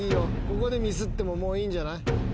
ここでミスってももういいんじゃない？